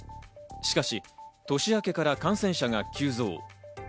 しかし、年明けから感染者が急増。